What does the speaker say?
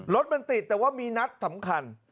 รถมันติดแต่ว่ามีนัดสำคัญ